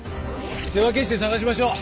手分けして捜しましょう。